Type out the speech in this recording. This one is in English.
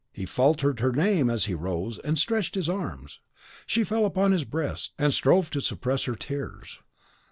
He faltered her name as he rose and stretched his arms. She fell upon his breast, and strove to suppress her tears.